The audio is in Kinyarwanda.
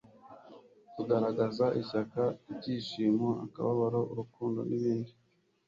kugaragaza ishyaka -ibyishimo, akababaro, urukundo n'ibindi)